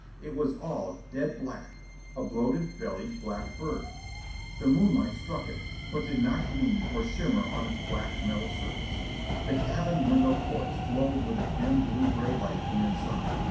It was all dead black, a bloated bellied black bird. The moonlight struck it, but did not gleam or shimmer on its black metal surface. The cabin window portes glowed with a dim blue gray light from inside.